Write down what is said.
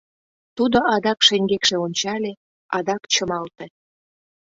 Тудо адак шеҥгекше ончале, адак чымалте.